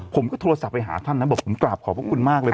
ผมก็โทรศัพท์ไปหาท่านนะบอกผมกราบขอบพระคุณมากเลย